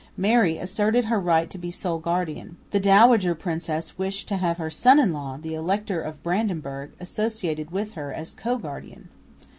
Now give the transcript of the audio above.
Mary asserted her right to be sole guardian; the dowager princess wished to have her son in law, the Elector of Brandenburg, associated with her as co guardian.